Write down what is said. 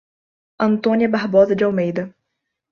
Antônia Barbosa de Almeida